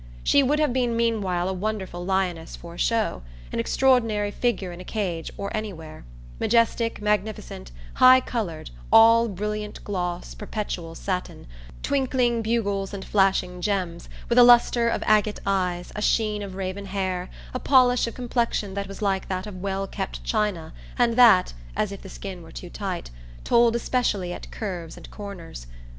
She would have been meanwhile a wonderful lioness for a show, an extraordinary figure in a cage or anywhere; majestic, magnificent, high coloured, all brilliant gloss, perpetual satin, twinkling bugles and flashing gems, with a lustre of agate eyes, a sheen of raven hair, a polish of complexion that was like that of well kept china and that as if the skin were too tight told especially at curves and corners.